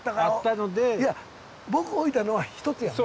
いや僕置いたのは１つやんか。